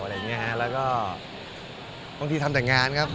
บางทีทำแต่งานครับ